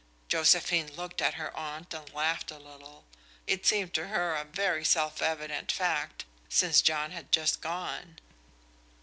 Josephine looked at her aunt and laughed a little; it seemed to her a very self evident fact, since John had just gone.